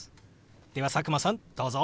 では佐久間さんどうぞ。